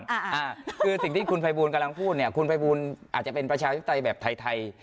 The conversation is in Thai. คือสิ่งที่คุณไปบูลกำลังพูดคุณไปบูลอาจจะเป็นประชาธิตรัยแบบไทยไทย